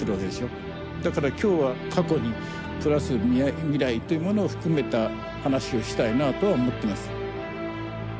だから今日は過去にプラス未来というものを含めた話をしたいなあとは思ってます。